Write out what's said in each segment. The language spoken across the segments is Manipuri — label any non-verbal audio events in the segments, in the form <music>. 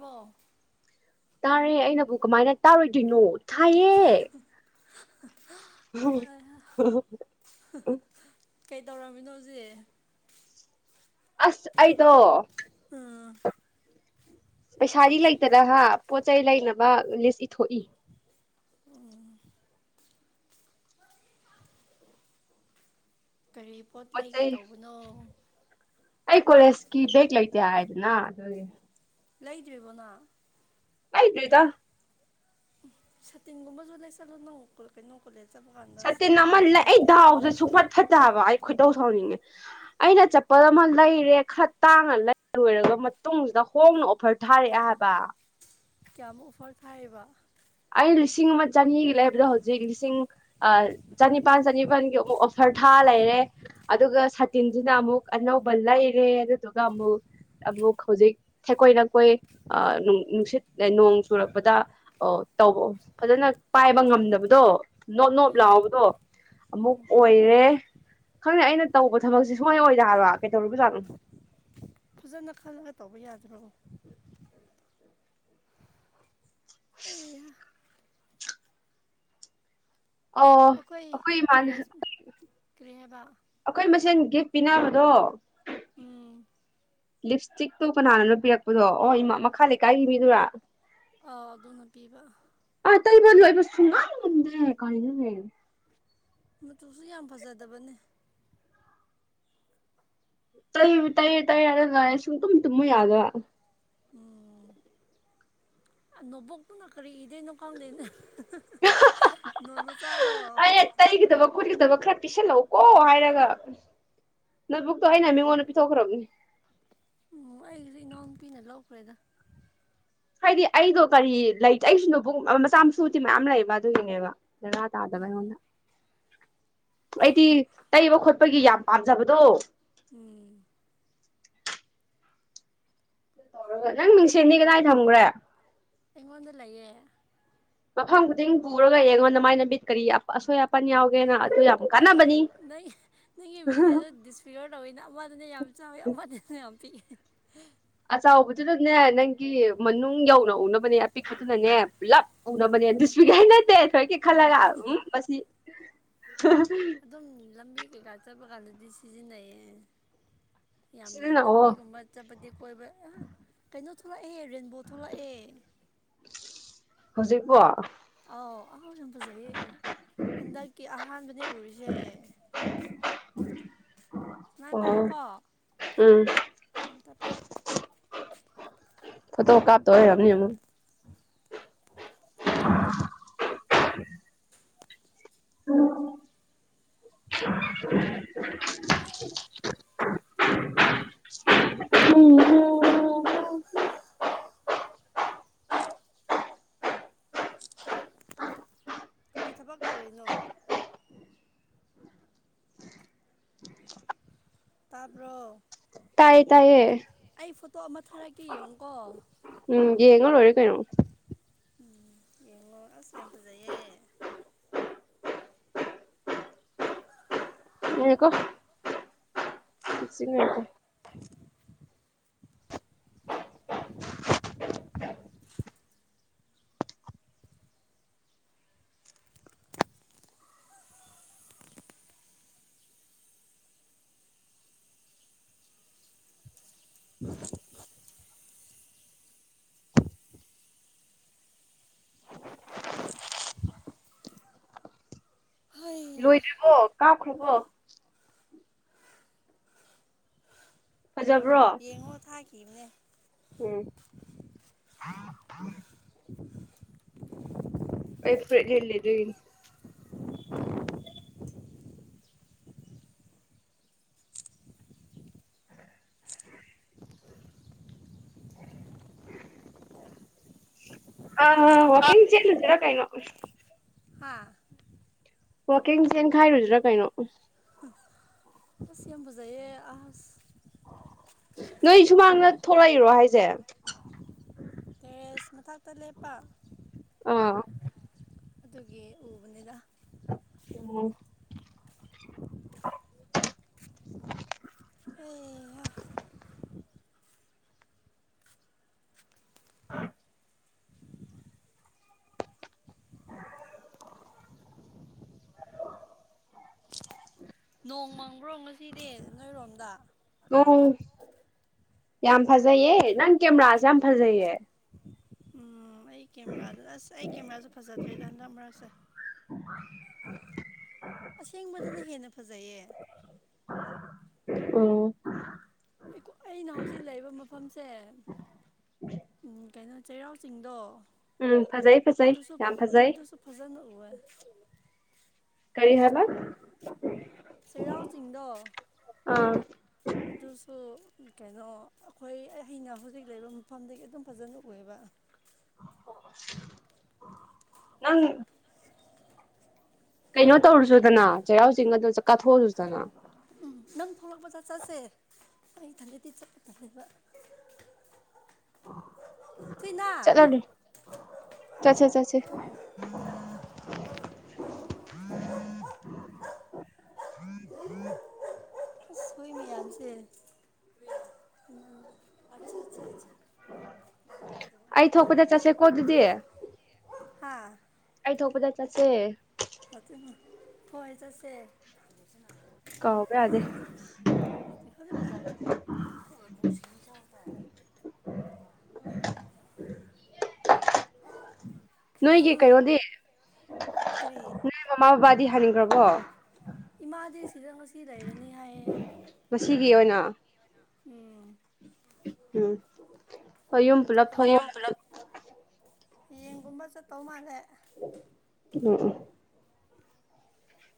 ꯋꯥ ꯇꯥꯔꯦ ꯑꯩꯅꯕꯨ ꯀꯃꯥꯏꯅ ꯇꯥꯔꯣꯏꯗꯣꯏꯅꯣ ꯊꯥꯏꯌꯦ ꯎ ꯀꯩ ꯇꯧꯔꯝꯃꯤꯅꯣ ꯍꯧꯖꯤꯛ ꯑꯁ ꯑꯇꯣ ꯎꯝ ꯄꯩꯁꯥꯗꯤ ꯂꯩꯇꯅꯒ ꯄꯣꯠ ꯆꯩꯩ ꯂꯩꯅꯕ ꯂꯤꯁ ꯏꯊꯣꯛꯏ ꯑꯣ ꯀꯔꯤ ꯄꯣꯠ ꯂꯩꯒꯦ ꯇꯧꯕꯅꯣ ꯑꯩ ꯀꯣꯔꯦꯁꯀꯤ ꯕ꯭ꯂꯦꯛ ꯂꯩꯇꯦ ꯍꯥꯏꯗꯅ ꯑꯗꯨꯒꯤ ꯂꯩꯗ꯭ꯦꯔꯤꯕꯣꯅ ꯉꯥꯏꯗꯗ ꯁꯇꯒꯨꯝꯕ ꯖꯂꯥꯏ ꯆꯜꯣ ꯅ ꯀ ꯀꯩꯅꯅ ꯀꯂꯦꯖ ꯁꯠꯇꯦ ꯅꯃꯜ ꯂꯩ ꯑꯩ ꯗꯥꯎꯗ ꯁꯨꯡ ꯐꯠ ꯐꯠꯇꯕ ꯑꯩ ꯈꯣꯏꯇꯧ ꯁꯧꯍꯟꯅꯤꯡꯉꯦ ꯑꯩꯅ ꯆꯄꯜ ꯑꯃ ꯂꯩꯔꯦ ꯈꯔ ꯇꯥꯡꯉ ꯂꯩ ꯂꯣꯏꯔꯕ ꯃꯇꯨꯡꯁꯤꯗ ꯍꯣꯡꯅ ꯑꯣꯐꯔ ꯊꯥꯔꯛꯑꯦ ꯍꯥꯏꯕ ꯀꯌꯥꯝꯃꯨꯛ ꯑꯣꯐꯔ ꯊꯥꯏꯕ ꯑꯩ ꯂꯤꯁꯤꯡ ꯑꯃ ꯆꯅꯤꯒꯤ ꯂꯩꯕꯗꯣ ꯍꯧꯖꯤꯛ ꯂꯤꯁꯤꯡ ꯆꯅꯤꯄꯥꯜ ꯆꯅꯤꯄꯜꯒꯤ ꯑꯃꯨꯛ ꯑꯣꯐꯔ ꯊꯥ ꯂꯩꯔꯦ ꯑꯗꯨꯒ ꯁꯇꯤꯟꯁꯤꯅ ꯑꯃꯨꯛ ꯑꯅꯧꯕ ꯂꯩꯔꯦ ꯑꯗꯨꯗꯨꯒ ꯑꯃꯨꯛ ꯑꯃꯨꯛ ꯍꯧꯖꯤꯛ ꯊꯦꯛꯀꯣꯏ ꯅꯀꯣꯏ ꯅꯨꯡꯁꯤꯠ ꯅꯣꯡ ꯆꯨꯔꯛꯄꯗ ꯇꯧꯕ ꯐꯖꯅ ꯄꯥꯏꯕ ꯉꯝꯗꯕꯗꯣ ꯅꯣꯠ ꯅꯣꯠ ꯎꯝ ꯂꯥꯎꯕꯗꯣ ꯑꯃꯨꯛ ꯎꯝ ꯑꯣꯏꯔꯦ ꯈꯪꯗꯦ ꯑꯩꯅ ꯇꯧꯕ ꯊꯕꯛꯁꯦ ꯁꯨꯡꯉꯥꯏ ꯑꯣꯏꯗ ꯍꯥꯏꯕ ꯀꯩꯗꯧꯔꯤꯕꯖꯥꯠꯅꯣ ꯐꯖꯅ ꯈꯜꯂꯒ ꯇꯧꯕ ꯌꯥꯗ꯭ꯔꯣ ꯑꯩ ꯑꯣ ꯑꯩꯈꯣꯏ ꯇꯦꯔꯦꯁ ꯀꯔꯤꯉꯕ ꯑꯩꯈꯣꯏ ꯃꯁꯦꯟ ꯒꯤꯐ ꯄꯤꯅꯕꯗꯣ ꯎꯝ ꯂꯤꯞꯁꯇꯤꯛꯇꯨ ꯀꯅꯥꯅꯣ ꯂ ꯄꯤꯔꯛꯄꯗꯣ ꯑꯣ ꯏꯃꯥ ꯃꯈꯥ ꯂꯩꯀꯥꯏꯒꯤ ꯃꯤꯗꯨꯔꯥ ꯑꯥꯎ ꯑꯗꯨꯅ ꯄꯤꯕ ꯇꯇꯩ ꯃꯗꯨ ꯑꯕꯨ ꯁꯨꯡꯉꯜꯗꯦ ꯀꯩꯅꯅ ꯃꯇꯆꯨꯁꯨ ꯌꯥꯝ ꯐꯖꯗꯕꯅꯦ ꯇꯩ ꯇꯩꯨ ꯇꯩꯔ ꯂꯔꯦ ꯁꯨꯝ ꯇꯨꯝ ꯇꯨꯝꯃ ꯌꯥꯗ ꯎꯝ ꯅꯕꯣꯛꯅ ꯀꯔꯤ ꯀꯩꯅꯅꯨꯡ ꯈꯪꯗꯦꯅꯦ ꯅꯣꯟ ꯃꯆꯥꯗꯣ ꯑꯩꯅ ꯇꯩꯒꯗꯕ ꯈꯣꯠꯀꯗꯕ ꯈꯔ ꯄꯤꯁꯜꯂꯛꯑꯣꯀꯣ ꯍꯥꯏꯔꯒ ꯅꯕꯨꯛꯇꯣ ꯑꯩꯅ ꯃꯤꯉꯣꯟꯗ ꯄꯤꯊꯣꯛꯈ꯭ꯔꯕꯅꯦ ꯍꯧꯁ ꯏꯅꯥꯎꯄꯤꯤꯅ ꯂꯧꯣꯛꯈ꯭ꯔꯦꯗ ꯍꯥꯏꯗꯤ ꯑꯩꯗꯣ ꯀꯔꯤ ꯂꯩꯇ ꯑꯩꯁꯨ ꯅꯨꯡ ꯃꯆꯥ ꯃꯁꯨꯗꯤꯤ ꯃꯌꯥꯝ ꯂꯩꯕ ꯑꯗꯨꯒꯤꯅꯦꯕ ꯔ ꯇꯥꯗꯕ ꯍꯟꯅ ꯑꯩꯗꯤ ꯇꯩꯕ ꯈꯣꯠꯄꯒꯤ ꯌꯥꯝ ꯄꯥꯝꯖꯕꯗꯣ ꯎꯝ ꯅꯪ ꯃꯤꯡꯁꯦꯟꯅꯤ ꯀꯗꯥꯏ ꯊꯝꯈ꯭ꯔꯦ ꯑꯩꯉꯣꯟꯗ ꯂꯩꯌꯦꯦ ꯃꯐꯝ ꯈꯨꯗꯤꯡ ꯄꯨꯔꯒ ꯌꯦꯡꯉꯣꯟ ꯅ ꯃꯥꯏ ꯂꯝꯕꯤꯠ ꯀꯔꯤ ꯑꯁꯣꯏ ꯇꯨ ꯌꯥꯝꯛ ꯅꯣꯏ ꯅꯪꯒꯤ ꯃꯤꯡꯁꯤꯁꯨ ꯗꯤꯁꯐꯤꯒꯔ ꯇꯧꯋꯤꯅ ꯑꯃꯗꯅ ꯌꯥꯝ ꯆꯥꯎꯋꯤ ꯑꯃꯗꯅ ꯌꯥꯝ ꯄꯤꯛꯏꯦ <inaudible> ꯑꯆꯕꯗꯨꯅꯅꯦ ꯅꯪꯒꯤ ꯃꯅꯨꯡ ꯌꯧꯅ ꯎꯅꯕꯅꯦ ꯑꯄꯤꯛꯄꯗꯨꯅꯅꯦ ꯄꯨꯂꯞ ꯎꯅꯕꯅꯦ ꯑꯗꯨꯨꯁꯄꯤꯈꯥꯏ ꯅꯠꯇꯦ ꯊꯣꯏꯀꯦ ꯈꯜꯂꯒ ꯎꯝ ꯃꯁꯤ ꯑꯗꯨꯝ ꯂꯝꯕꯤ ꯀꯩꯀꯥ ꯆꯠꯄ ꯀꯥꯟꯗꯗꯤ ꯁꯤꯖꯤꯟꯅꯩꯌꯦ ꯌꯥꯝꯅ ꯁꯤꯖꯤꯟꯅꯑꯣ ꯂꯝꯕꯤꯒꯨꯝꯕ ꯆꯠꯄꯗꯤ ꯀꯣꯏꯕ ꯀꯩꯅꯣ ꯊꯣꯛꯂꯛꯑꯦ ꯔꯦꯟꯕꯣ ꯊꯣꯛꯂꯛꯑꯦ ꯍꯧꯖꯤꯛꯀꯣ ꯑꯥꯎ ꯑꯍꯥꯎꯁꯨ ꯐꯖꯩꯌꯦ ꯍꯟꯗꯛꯀꯤ ꯑꯍꯥꯟꯕꯅꯦ ꯎꯔꯤꯁꯦ <inaudible> ꯅꯥꯏ ꯄꯥꯏꯣ ꯀꯣ ꯎꯝ ꯑ ꯄꯥꯏ ꯐꯠꯇꯣ ꯀꯥꯞꯇ ꯌꯥꯝꯅꯤ ꯑꯃ <inaudible> <inaudible> ꯎꯝ ꯀꯔꯤ ꯊꯕꯛ ꯇꯧꯔꯤꯅꯣ ꯇꯥꯕ꯭ꯔꯣ ꯇꯥꯏꯌꯦ ꯇꯥꯏꯌꯦ ꯑꯩ ꯐꯣꯇꯣ ꯑꯃ ꯊꯥꯔꯛꯀꯦ ꯌꯦꯡꯉꯨꯀꯣ ꯎꯝ ꯌꯦꯡꯉ ꯂꯣꯏꯔꯦ ꯀꯩꯅꯣ ꯎꯝ ꯌꯦꯡꯉꯣ ꯑꯁ ꯌꯥꯝ ꯐꯖꯩꯌꯦ ꯍꯀꯣ ꯁꯤ ꯁꯤꯉꯇꯦ <inaudible> ꯍꯣꯏ ꯍꯕꯣ ꯐꯖꯕ꯭ꯔꯣ ꯌꯦꯡꯉꯣ ꯊꯥꯈꯤꯕꯈꯤꯕꯅꯦ ꯎꯝ ꯎ ꯑꯩ ꯐ꯭ꯔꯣ ꯌꯦ ꯂꯩ ꯑꯗꯨꯅꯤ <inaudible> ꯑ ꯋꯥꯀꯤ ꯆꯠꯂꯔ ꯀꯥꯏꯅ ꯍꯥꯥ ꯋꯥꯋꯀꯤꯡ ꯆꯦꯟ ꯈꯥꯏꯔꯨꯗ꯭ꯔꯥ ꯀꯩꯅꯣ ꯑꯁꯤ ꯌꯥꯝꯕꯖꯥꯏꯌꯦ ꯑꯍꯁ ꯅꯣꯏ ꯁꯨꯃꯥꯡꯗ ꯊꯣꯛꯂꯛꯏꯔꯣ ꯍꯥꯏꯁꯦ ꯇ꯭ꯔꯦꯁ ꯃꯊꯛꯇ ꯂꯦꯞꯄ ꯑꯥ ꯑꯗꯨꯒꯤ ꯎꯕꯅꯤꯗ ꯎꯝ ꯑꯦ ꯑ ꯅꯣꯡ ꯃꯪꯕ꯭ꯔꯣ ꯉꯁꯤꯗꯤ ꯅꯣꯏꯔꯣꯝꯗ ꯎ ꯌꯥꯝ ꯐꯖꯩꯌꯦ ꯅꯪ ꯀꯦꯃꯦꯔꯥꯁꯦ ꯌꯥꯝ ꯐꯖꯩꯌꯦ ꯎꯝ ꯑꯩ ꯀꯦꯃꯦꯔꯥꯗꯨ ꯑꯁ ꯑꯩ ꯀꯦꯃꯦꯔꯥꯁꯨ ꯐꯖꯗ꯭ꯔꯦꯗ ꯍꯟꯗꯛ ꯃꯔꯛꯁꯦ ꯑꯁꯦꯡꯕꯗꯅ ꯍꯦꯟꯅ ꯐꯖꯩꯌꯦ ꯑꯣ ꯑꯩꯅ ꯍꯧꯖꯤꯛ ꯂꯩꯔꯤꯕ ꯃꯐꯝꯁꯦ ꯎꯝ ꯀꯩꯅꯣ ꯆꯩꯔꯥꯎ ꯆꯤꯡꯗꯣ ꯐꯖꯩ ꯐꯖꯩ ꯑꯗꯨꯁꯨ ꯌꯥꯝ ꯐꯖꯩ ꯑꯗꯨꯁꯨꯣ ꯐꯖꯪ ꯎꯦ ꯀꯔꯤ ꯍꯥꯂ ꯆꯩꯔꯥꯎ ꯆꯤꯡꯗꯣ ꯑꯥ ꯑꯗꯨꯁꯨ ꯀꯩꯅꯣ ꯑꯩꯈꯣꯏ ꯑꯩꯅ ꯍꯧꯖꯤꯛ ꯂꯩꯔꯤꯕ ꯃꯐꯝꯗꯒꯤ ꯑꯗꯨꯝ ꯐꯖꯅ ꯎꯌꯦꯕ ꯅꯪ ꯀꯩꯅꯣ ꯇꯧꯔꯨꯁꯨꯗꯅ ꯆꯩꯔꯥꯎ ꯆꯤꯡ ꯑꯗꯨ ꯆ ꯀꯥꯊꯣꯛꯑꯨꯗꯅ ꯎ ꯅꯪ ꯐꯂꯛꯄ ꯆꯥꯠ ꯆꯁꯦ ꯑꯩ ꯈꯟꯂꯗꯤꯤ ꯆꯠꯄ ꯊꯂꯕ ꯄꯤꯅꯥ ꯆꯆꯥꯦ ꯆꯥꯆꯦ <inaudible> ꯎꯝ ꯎꯝ ꯣꯏꯅꯌꯥꯝꯌꯥꯝꯁꯦ ꯑꯩ ꯊꯣꯛꯄꯗ ꯆꯠꯁꯦꯀꯣ ꯑꯗꯨꯗꯤ ꯍꯥ ꯑꯩ ꯊꯣꯛꯄꯗ ꯆꯠꯁꯦ ꯍꯣꯏ ꯆꯠꯁꯦ ꯀꯥꯎꯕ ꯌꯥꯗꯦ ꯐꯗꯦꯖꯔ ꯅꯣꯏꯒꯦ ꯀꯩꯅꯗꯦ ꯀꯔꯤ ꯅ ꯃꯃꯥꯕꯥꯗꯤ ꯍꯅꯤꯡꯈ꯭ꯔꯕꯣ ꯏꯃꯥꯗꯤ ꯁꯤꯗ ꯉꯁꯤ ꯂꯩꯔꯅꯤ ꯍꯥꯏꯌꯦ ꯃꯁꯤꯒꯤ ꯑꯣꯏꯅ ꯎꯝ ꯎꯝ ꯍꯣꯏ ꯌꯨꯝ ꯄꯨꯂꯞ ꯊꯣꯡꯉꯣ ꯃꯌꯨꯝ ꯄꯨꯂꯞ ꯌꯦꯡꯒꯨꯝꯕ ꯆꯠꯇꯧ ꯃꯥꯜꯂꯦ ꯎ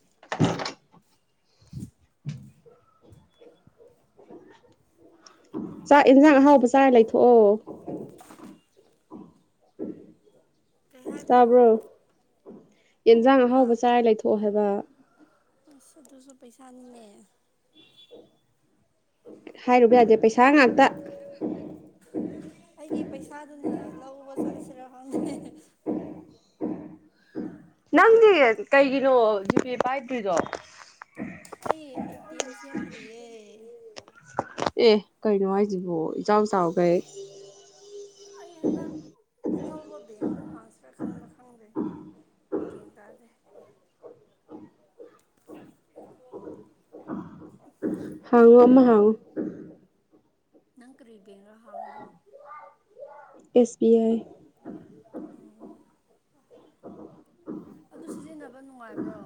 <inaudible> ꯆꯠ ꯏꯟꯁꯥꯡ ꯑꯍꯥꯎꯕ ꯆꯥꯔ ꯂꯩꯊꯣꯛꯑꯣ ꯄꯠꯅ ꯇꯥꯕ꯭ꯔꯣ ꯌꯦꯟꯖꯥꯡ ꯑꯍꯥꯎꯕ ꯆꯥꯔ ꯂꯩꯊꯣꯛꯑꯣ ꯍꯥꯏꯕ ꯑꯁ ꯑꯗꯨ ꯁꯣ ꯄꯩꯁꯥꯅꯤ ꯍꯥꯏꯔꯨꯕ ꯌꯥꯗꯦ ꯄꯩꯁꯥ ꯉꯥꯛꯇ ꯑꯩꯒꯤ ꯄꯩꯁꯥꯗꯨꯅ ꯂꯧꯕ ꯆꯠꯂꯁꯤꯔ ꯍꯪꯅ ꯅꯪꯗꯤ ꯀꯩꯒꯤꯅꯣ ꯖꯤꯄꯤ ꯄꯥꯏꯗ꯭ꯔꯤꯗꯣ ꯑꯩ ꯑꯦ ꯇꯤ ꯑꯦꯝ ꯁꯦꯝꯗ꯭ꯔꯤꯌꯦ ꯑꯦ ꯀꯩꯅꯣ ꯍꯥꯏꯁꯤꯕꯣ ꯏꯆꯥꯎ ꯆꯥꯎꯈꯩ ꯑꯩ ꯍꯟꯗꯛ ꯑꯅꯧꯕ ꯕꯦꯒ ꯑꯃ ꯍꯥꯡꯁꯤ꯭ꯔꯥ ꯈꯟꯕ ꯈꯪꯗꯦ ꯦꯟꯗꯗ ꯍꯥꯎ ꯑꯃꯃ ꯍꯥꯎ ꯅꯪ ꯀꯔꯤꯔꯤꯕꯅ ꯍꯥꯟꯗ ꯑꯦꯁ ꯕꯤ ꯑꯥꯏ ꯎꯝ ꯑꯗꯨ ꯁꯤꯖꯤꯟꯅꯕ ꯅꯨꯡꯉꯥꯏꯕ꯭ꯔꯣ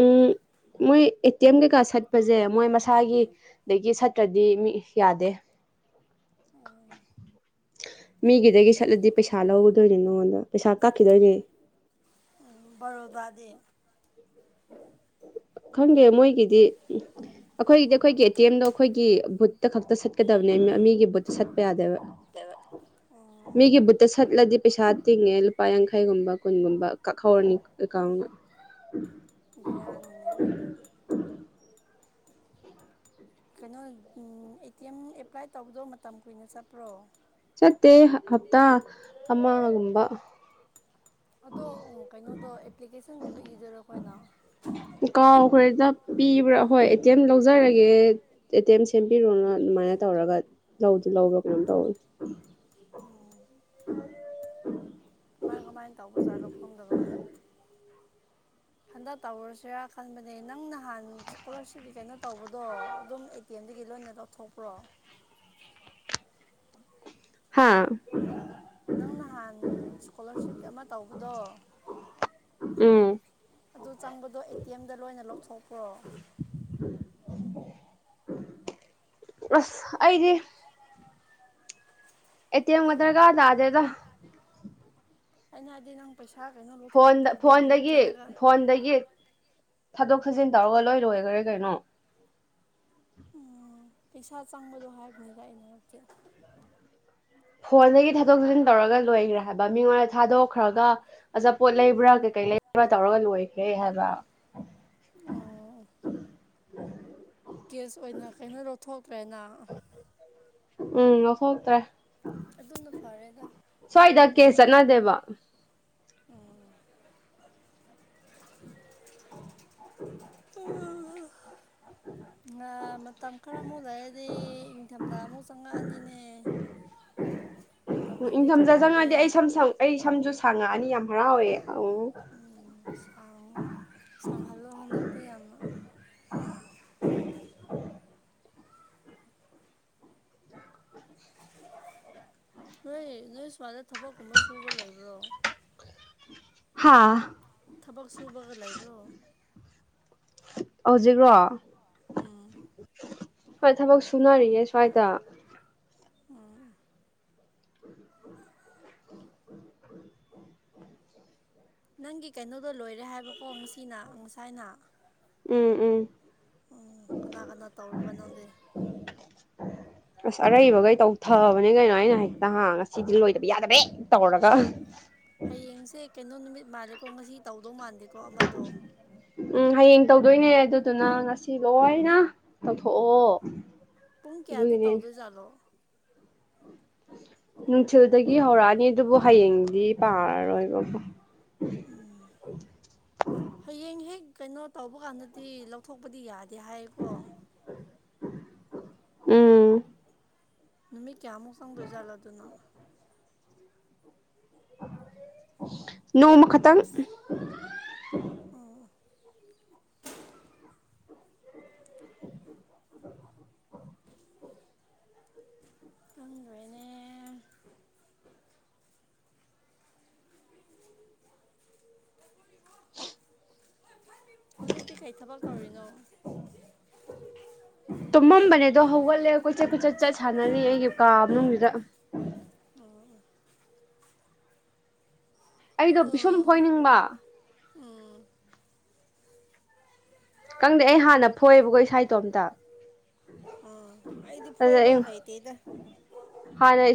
ꯎꯝ ꯃꯣꯏ ꯑꯦ ꯇꯤ ꯑꯦꯝ ꯀꯩꯀꯥ ꯁꯠꯄꯁꯦ ꯃꯣꯏ ꯃꯁꯥꯒꯤ ꯗꯗꯒꯤꯠ ꯇ꯭ꯔꯗꯤ ꯃꯤ ꯌꯥꯗꯦ ꯑꯣ ꯃꯤꯒꯤꯗꯒꯤ ꯁꯠꯂꯗꯤ ꯄꯩꯁꯥ ꯂꯧꯒꯗꯣꯏꯅꯤ ꯅꯉꯣꯟꯗ ꯄꯩꯁꯥ ꯀꯛꯈꯤꯗꯣꯏꯅꯦ ꯎꯝ ꯔꯣꯗꯥ ꯈꯪꯒꯦ ꯃꯣꯏꯒꯤꯗꯤ ꯑꯩꯈꯣꯏꯒꯤꯗꯤ ꯑꯩꯈꯣꯏꯒꯤ ꯑꯦꯇꯤ ꯑꯦꯝꯗꯣ ꯑꯩꯈꯣꯏꯒꯤ ꯕꯨꯠꯇ ꯈꯛꯇ ꯁꯠꯀꯗꯕꯅꯦ ꯃꯤꯒꯤ ꯕꯨꯠꯇ ꯁꯠꯄ ꯌꯥꯗꯦꯕ ꯎꯝ ꯃꯤꯒꯤ ꯕꯨꯠꯇ ꯁꯠꯂꯗꯤ ꯄꯩꯁꯥ ꯇꯤꯡꯉꯦ ꯂꯨꯄꯥ ꯌꯥꯡꯈ ꯌꯥꯩꯒꯨꯝꯕ ꯀꯨꯟꯒꯨꯝꯕ ꯀꯛꯍꯧꯔꯅꯤ ꯑꯦꯀꯥꯎꯟꯗ ꯕꯤꯔꯅꯤ ꯎꯝ ꯎꯝ ꯀꯩꯅꯣ ꯑꯦ ꯇꯤ ꯑꯦꯝ ꯑꯦꯄ꯭ꯂꯥꯏ ꯇꯧꯕꯗꯣ ꯃꯇꯝ ꯀꯨꯏꯅ ꯆꯠꯄ꯭ꯔꯣ ꯆꯠꯇꯦ ꯍꯞꯇꯥ ꯑꯃꯒꯝꯕ ꯑꯗꯣ ꯀꯩꯅꯣꯗꯣ ꯑꯦꯄ꯭ꯂꯤꯀꯦꯁꯟꯒꯨꯝꯕ ꯏꯖꯔ ꯑꯩꯈꯣꯅ ꯀꯥꯎꯈ꯭ꯔꯦꯗ ꯄꯤꯕ꯭ꯔꯥ ꯍꯣꯏ ꯑꯦ ꯇꯤꯦꯝ ꯂꯧꯖꯔꯒꯦ ꯑꯦ ꯇꯤ ꯑꯦꯝ ꯁꯦꯝꯕꯤꯔꯣꯅ ꯑꯗꯨꯃꯥꯏꯅ ꯇꯧꯔꯒ ꯂꯧꯖ ꯂꯧꯕ꯭ꯔ ꯀꯩꯅꯣꯝ ꯇꯧꯋꯤ ꯎꯝ ꯀꯃꯥꯏ ꯀꯃꯥꯏꯅ ꯇꯧꯕꯖꯥꯠ ꯂꯧꯣ ꯈꯐꯝꯗꯕ ꯍꯟꯗꯛ ꯇꯧꯔꯨꯔꯨꯁꯤꯔꯥ ꯈꯟꯕꯅꯦ ꯅꯪ ꯅꯍꯥꯟ ꯏꯁꯀꯣꯂꯥꯔꯁꯤꯞꯀꯤ ꯀꯩꯅꯣ ꯇꯧꯕꯗꯣ ꯑꯗꯨꯝ ꯑꯦ ꯇꯤ ꯑꯦꯝ ꯑꯩꯒꯤ ꯂꯣꯏꯅ ꯂꯧꯊꯣꯛꯄ꯭ꯔꯣ ꯍꯥꯥ ꯅꯪ ꯅꯍꯥꯟ ꯏꯁꯀꯣꯂꯥꯔꯁꯤꯞ ꯑꯃ ꯇꯧꯕꯗꯣ ꯎꯝ ꯑꯗꯨ ꯆꯪꯕꯗꯣ ꯑꯦ ꯇꯤ ꯑꯦꯝꯗ ꯂꯣꯏꯅ ꯂꯧꯊꯣꯛꯄ꯭ꯔꯣ ꯑꯁ ꯑꯩꯗꯤ ꯑꯦ ꯇꯤ ꯑꯦꯝꯒ ꯗ꯭ꯔꯒꯥꯔ ꯇꯥꯗꯦꯗ ꯑꯩꯅ ꯍꯥꯢꯗꯤ ꯅꯪ ꯄꯩꯁꯥ ꯀꯩꯅꯣ ꯂꯧꯊꯣꯛꯄꯗꯣ ꯐꯣꯟꯗ ꯕꯦꯡꯗ ꯐꯣꯟꯗꯒꯤ ꯆꯠꯂꯒ ꯐꯣꯟꯗꯒꯤ ꯊꯥꯗꯣꯛ ꯊꯥꯖꯤꯟ ꯇꯧꯔꯒ ꯂꯣꯏ ꯂꯣꯢꯑ꯭ꯔꯦ ꯀꯩꯅꯣ ꯎꯝ... ꯄꯩꯁꯥ ꯆꯪꯕꯗꯣ ꯍꯥꯏꯕꯅꯤꯗ ꯑꯩꯅ ꯍꯥꯏꯕꯗꯤ ꯐꯣꯟꯗꯒꯤ ꯊꯥꯗꯣꯛ ꯊꯥꯖꯤꯟ ꯇꯧꯔꯒ ꯂꯣꯏꯒ꯭ꯔꯦ ꯍꯥꯏꯕ ꯃꯤꯉꯣꯟꯗ ꯊꯥꯗꯣꯛꯈ꯭ꯔꯒ ꯑꯆꯥꯄꯣꯠ ꯂꯩꯕ꯭ꯔꯥ ꯀꯩ ꯀꯩ ꯂꯩꯕꯅꯣ ꯇꯧꯔꯒ ꯂꯣꯏꯒ꯭ꯔꯦ ꯍꯥꯏꯕ ꯑꯣ ꯀꯦꯁ ꯑꯣꯏꯅ ꯀꯩꯅꯣ ꯂꯧꯊꯣꯛꯇ꯭ꯔꯦ ꯅꯪ ꯎꯝ ꯂꯧꯊꯣꯛꯇ꯭ꯔꯦ ꯑꯗꯨꯝꯅ ꯐꯔꯦꯗ ꯁ꯭ꯋꯥꯏꯗ ꯊꯕꯛ ꯀꯦꯁ ꯑꯗꯨꯅ ꯆꯠꯅꯗꯦꯕ ꯎꯝ <unintelligible> ꯃꯇꯝ ꯈꯔ ꯑꯃꯨꯛ ꯂꯩꯔꯗꯤ ꯏꯪꯊꯝꯊꯥ ꯑꯃꯨꯛ ꯆꯪꯉꯛꯑꯅꯤꯅꯦ <inaudible> ꯎ ꯃꯇꯝꯁꯤꯗꯤ ꯏꯪꯊꯝꯊꯥ ꯈꯪꯍꯧꯗꯦ ꯆꯪꯉꯗꯤ ꯑꯩ ꯁꯝ ꯁꯝ ꯑꯩ ꯁꯝꯁꯨ ꯁꯥꯛꯉꯛ ꯑꯅꯤ ꯌꯥꯝ ꯍꯔꯥꯎꯋꯦ ꯁꯥꯡꯉꯣ ꯁꯥꯡꯍꯜꯂꯣ ꯍꯟꯗꯛꯇꯤ ꯌꯥꯝꯅ <inaudible> ꯅꯣꯏ ꯅꯣꯏ ꯁ꯭ꯋꯥꯏꯗ ꯊꯕꯛ ꯀꯨꯝꯕ ꯁꯨꯕ ꯂꯩꯕ꯭ꯔꯣ ꯍꯥꯥ ꯊꯕꯛ ꯁꯨꯕꯒ ꯂꯩꯕ꯭ꯔꯣ ꯍꯧꯖꯤꯛ꯭ꯔꯣ ꯎꯝ ꯍꯣꯏ ꯊꯕꯛ ꯁꯨꯅꯔꯤꯌꯦ ꯁ꯭ꯋꯥꯏꯗ ꯑꯣ ꯅꯪꯒꯤ ꯀꯩꯅꯣꯗꯣ ꯂꯣꯏꯔꯦ ꯍꯥꯏꯕꯀꯣ ꯉꯁꯤꯅ ꯉꯁꯥꯏꯅ ꯎꯝ ꯎꯝ ꯎꯝ ꯀꯅꯥ ꯀꯅꯥ ꯇꯧꯔꯕ ꯅꯪꯗꯤ ꯑꯁ ꯑꯔꯩꯕꯒꯩ ꯇꯧꯊꯕꯅꯤ ꯀꯩꯅꯣ ꯑꯩꯅ ꯍꯦꯛꯇ ꯍꯥ ꯉꯁꯤꯗꯤ ꯂꯣꯏꯗꯕ ꯌꯥꯗꯕꯤ ꯇꯧꯔꯒ ꯍꯌꯦꯡꯁꯦ ꯀꯩꯅꯣ ꯅꯨꯃꯤꯠ ꯃꯥꯜꯂꯦꯀꯣ ꯉꯁꯤ ꯇꯧꯗꯧ ꯃꯥꯟꯗꯦꯀꯣ ꯑꯃꯗꯣ ꯎꯝ ꯍꯌꯦꯡ ꯇꯧꯗꯣꯏꯅꯦ ꯑꯗꯨꯗꯨꯅ ꯉꯁꯤ ꯂꯣꯏꯅ ꯇꯧꯊꯣꯛꯑꯣ ꯄꯨꯡ ꯀꯌꯥꯗ ꯑꯗꯨꯒꯤꯅꯦ ꯇꯧꯗꯣꯏꯖꯥꯠꯂꯣ ꯅꯨꯡꯊꯤꯜꯗꯒꯤ ꯍꯧꯔꯛꯑꯅꯤ ꯑꯗꯨꯕꯨ ꯍꯌꯦꯡꯗꯤ ꯄꯥꯔꯔꯣꯏꯕ ꯎꯝ ꯍꯌꯦꯡ ꯍꯦꯛ ꯀꯩꯅꯣ ꯇꯧꯕ ꯀꯥꯟꯗꯗꯤ ꯂꯧꯊꯣꯛꯄꯗꯤ ꯌꯥꯗꯦ ꯍꯥꯏꯌꯦꯀꯣ ꯎꯝ ꯅꯨꯃꯤꯠ ꯀꯌꯥꯃꯨꯛ ꯆꯪꯗꯣꯏꯖꯥꯠꯂꯥ ꯑꯗꯨꯅ ꯅꯣꯡꯃ ꯈꯇꯪ ꯑꯣ ꯈꯪꯗ꯭ꯔꯦꯅꯦ ꯍꯧꯖꯤꯛꯇꯤ ꯀꯩ ꯊꯕꯛ ꯇꯧꯔꯤꯅꯣ ꯇꯨꯝꯃꯝꯕꯅꯦ ꯑꯗꯣ ꯍꯧꯒꯠꯂꯦ ꯀꯣꯏꯆꯠ ꯀꯣꯏꯆꯠ ꯆꯠ ꯁꯥꯟꯅꯔꯤ ꯑꯩꯒꯤ ꯀꯥ ꯃꯅꯨꯡꯁꯤꯗ ꯑꯣ ꯑꯩꯗꯣ ꯄꯤꯁꯨꯝ ꯎꯝ ꯐꯣꯏꯅꯤꯡꯕ ꯎꯝ ꯀꯪꯗꯦ ꯑꯩ ꯍꯥꯟꯅ ꯐꯣꯏꯑꯕꯀꯣ ꯏꯁꯥ ꯏꯇꯣꯝꯇ ꯑꯩꯗꯤ ꯑꯗꯨꯗ ꯐꯣꯏꯕ ꯑꯩꯅ ꯍꯩꯇꯦꯗ ꯍꯥꯟꯅ ꯢꯁꯥ